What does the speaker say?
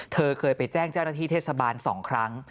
เธอเคยไปแจ้งเจ้าหน้าที่เทศบาล๒ครั้ง